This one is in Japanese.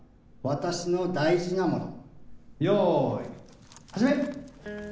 私の大事なもの